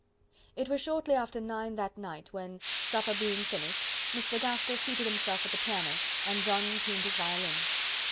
It was shortly after nine that night when, supper being finished, Mr. Gaskell seated himself at the piano and John tuned his violin.